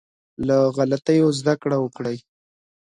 له غلطيو زده کړه وکړئ.